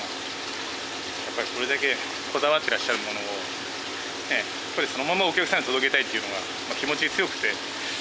やっぱりこれだけこだわってらっしゃるものをそのままお客さんに届けたいっていうのが気持ち強くて。